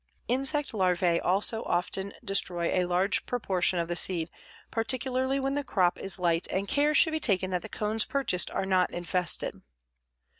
Insect larvæ also often destroy a large proportion of the seed, particularly when the crop is light and care should be taken that the cones purchased are not infested.